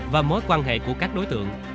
và mối quan hệ của các đối tượng